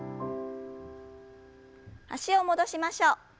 脚を戻しましょう。